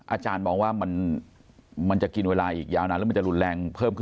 อาจารย์มองว่ามันจะกินเวลาอีกยาวนานแล้วมันจะรุนแรงเพิ่มขึ้น